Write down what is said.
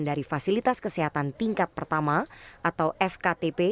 dari fasilitas kesehatan tingkat pertama atau fktp